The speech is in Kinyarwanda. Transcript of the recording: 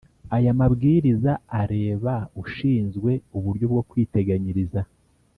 Aya mabwiriza areba ushinzwe uburyo bwo kwiteganyiriza